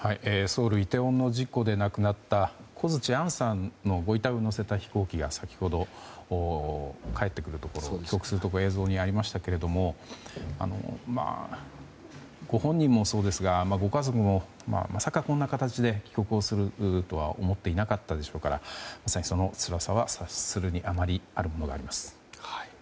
ソウル・イテウォンの事故で亡くなった小槌杏さんのご遺体を乗せた飛行機が先ほど、帰国するところが映像にありましたけれどもご本人もそうですが、ご家族もまさか、こんな形で帰国するとは思っていなかったでしょうからそのつらさは察するに余るものがあります。